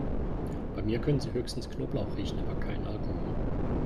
Bei mir können Sie höchstens Knoblauch riechen, aber keinen Alkohol.